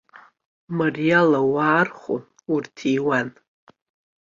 Мариала уаархәон, урҭиуан.